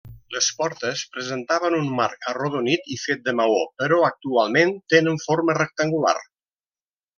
Les portes presentaven un marc arrodonit i fet de maó, però actualment tenen forma rectangular.